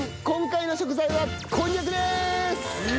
今回の食材はこんにゃくです！